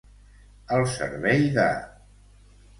Al servei de.